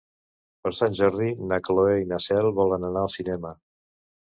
Per Sant Jordi na Cloè i na Cel volen anar al cinema.